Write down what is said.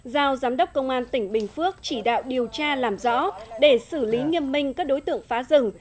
giao giám đốc công an tỉnh bình phước chỉ đạo điều tra làm rõ để xử lý nghiêm minh các đối tượng phá rừng